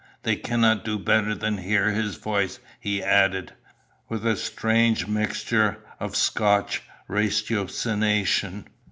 They canna do better than hear his voice," he added, with a strange mixture of Scotch ratiocination.